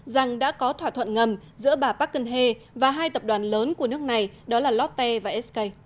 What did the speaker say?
rằng đã có thỏa thuận ngầm giữa bà park geun hye và hai tập đoàn lớn của nước này đó là lotte và sk